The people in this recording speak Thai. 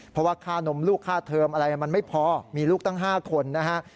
เพราะว่าค่านมลูกค่าเทอมอะไรมันไม่พอมีลูกตั้ง๕คนนะฮะ